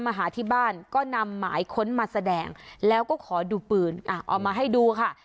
มาหาที่บ้านก็นำหมายค้นมาแสดงแล้วก็ขอดูปืนเอามาให้ดูค่ะ